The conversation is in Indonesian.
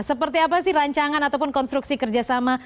seperti apa sih rancangan ataupun konstruksi kerjasama